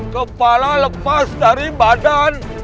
kepala lepas dari badan